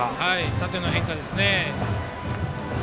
縦の変化ですね。